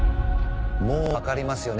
もうわかりますよね？